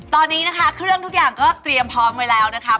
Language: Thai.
ตอนนี้นะคะเครื่องทุกอย่างก็เตรียมพร้อมไว้แล้วนะคะ